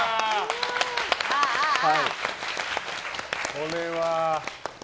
これは。